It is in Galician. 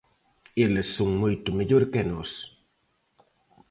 Eles son moito mellor que nós.